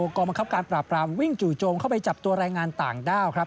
กรรมคับการปราบปรามวิ่งจู่โจมเข้าไปจับตัวแรงงานต่างด้าวครับ